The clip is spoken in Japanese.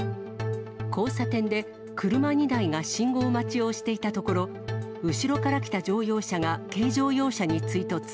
交差点で車２台が信号待ちをしていたところ、後ろから来た乗用車が軽乗用車に追突。